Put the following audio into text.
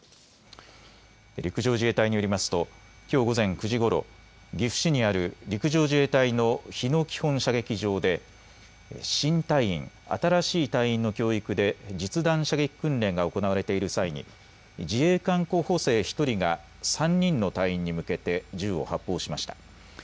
陸上自衛隊によりますときょう午前９時ごろ岐阜市にある陸上自衛隊の日野基本射撃場で新隊員・新しい隊員の教育で実弾射撃訓練が行われている際に自衛官候補生１人が３人の隊員に向けて銃を発砲しました。